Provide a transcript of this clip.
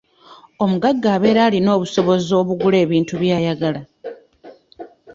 Omugagga abeera alina obusobozi obugula ebintu by'ayagala.